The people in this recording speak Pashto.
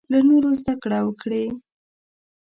له نورو زده کړه وکړې.